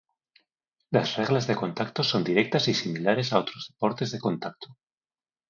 Las reglas de contacto son directas y similares a otros deportes de contacto.